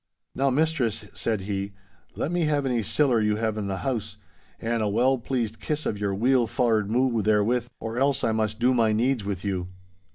'Now, mistress,' said he; 'let me have any siller you have in the house, and a well pleased kiss of your weel faured moo' therewith, or else I must do my needs with you!